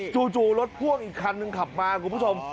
จู่รถพ่วงอีกคันหนึ่งขับมาคุณผู้ชม